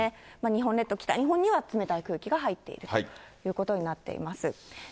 日本列島、北日本には冷たい空気が入っているということになってます。